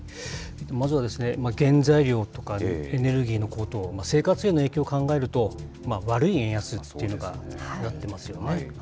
まずは、原材料とかエネルギーの高騰、生活への影響を考えると、悪い円安というのが目立ってますよね。